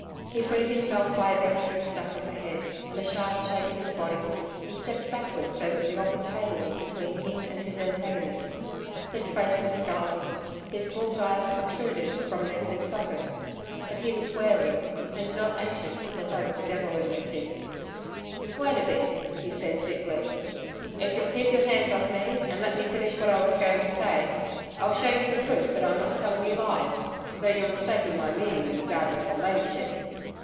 He freed himself by a dexterous duck of his head, and a sharp shake of his body, and stepped backward so that the office table was between him and his antagonist. His face was scarlet, his bull's eyes protruded from their full sockets. But he was wary, and not anxious to provoke the devil in McKeith. 'Wait a bit,' he said thickly. 'If you'll keep your hands off me, and let me finish what I was going to say, I'll show you the proof that I'm not telling you lies though you're mistaking my meaning in regard to her Ladyship....